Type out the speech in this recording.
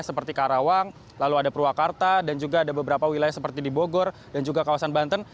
seperti karawang lalu ada purwakarta dan juga ada beberapa wilayah seperti di bogor dan juga kawasan banten